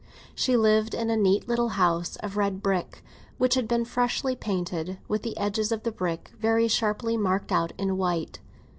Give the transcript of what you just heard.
She lived in a neat little house of red brick, which had been freshly painted, with the edges of the bricks very sharply marked out in white.